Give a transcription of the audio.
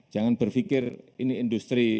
jangan berpikir ini industri